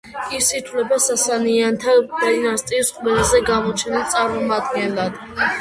ის ითვლება სასანიანთა დინასტიის ყველაზე გამოჩენილ წარმომადგენლად.